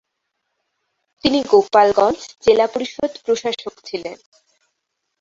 তিনি গোপালগঞ্জ জেলা পরিষদ প্রশাসক ছিলেন।